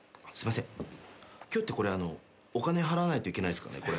今日ってこれあのお金払わないといけないっすかねこれ。